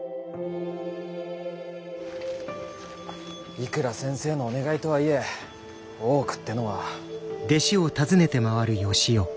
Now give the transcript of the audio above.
いくら先生のお願いとはいえ大奥ってのは。